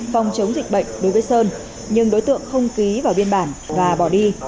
phòng chống dịch bệnh đối với sơn nhưng đối tượng không ký vào biên bản và bỏ đi